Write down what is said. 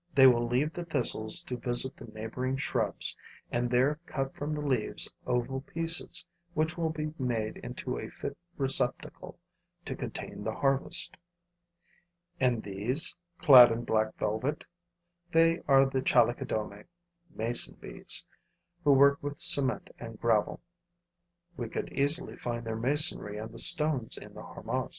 They will leave the thistles to visit the neighboring shrubs and there cut from the leaves oval pieces which will be made into a fit receptacle to contain the harvest. And these, clad in black velvet? They are Chalicodomae [mason bees], who work with cement and gravel. We could easily find their masonry on the stones in the harmas.